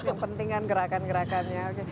yang penting kan gerakan gerakannya